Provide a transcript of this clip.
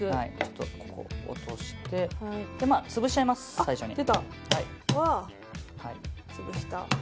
ここを落として潰しちゃいます、最初に。